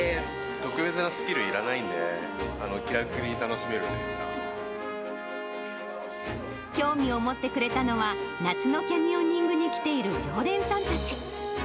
特別なスキルいらないんで、興味を持ってくれたのは、夏のキャニオニングに来ている常連さんたち。